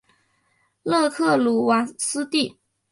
勒克鲁瓦斯蒂。